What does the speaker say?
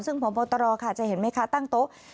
ซึ่งพบตรค่ะจะเห็นไหมคะตั้งโต๊ะ